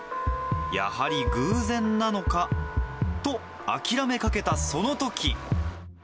やはり偶然なのか、と、諦めかけたそのとき。